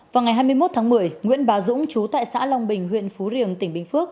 vào ngày hai mươi một tháng một mươi nguyễn bà dũng chú tại xã long bình huyện phú riềng tỉnh bình phước